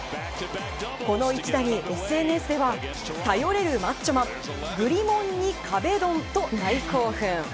この一打に、ＳＮＳでは頼れるマッチョマングリモンに壁ドンと大興奮。